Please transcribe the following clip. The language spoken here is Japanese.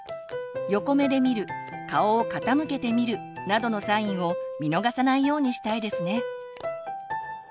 横目で見る顔を傾けて見るなどのサインを見逃さないようにしたいですね。